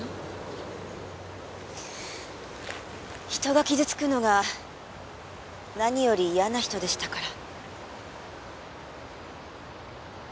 人が傷つくのが何より嫌な人でしたから。